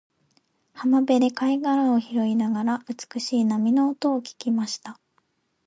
浜辺で貝殻を拾いながら、美しい波の音を聞きました。